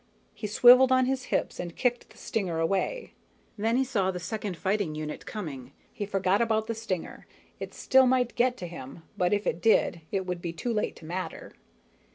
He swiveled on his hips and kicked the stinger away. Then he saw the second fighting unit coming. He forgot about the stinger. It still might get to him, but, if it did, it would be too late to matter.